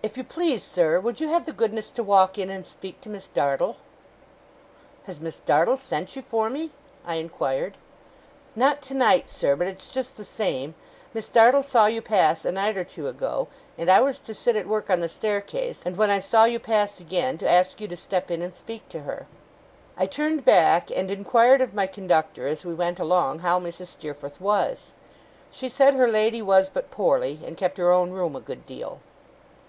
'If you please, sir, would you have the goodness to walk in, and speak to Miss Dartle?' 'Has Miss Dartle sent you for me?' I inquired. 'Not tonight, sir, but it's just the same. Miss Dartle saw you pass a night or two ago; and I was to sit at work on the staircase, and when I saw you pass again, to ask you to step in and speak to her.' I turned back, and inquired of my conductor, as we went along, how Mrs. Steerforth was. She said her lady was but poorly, and kept her own room a good deal.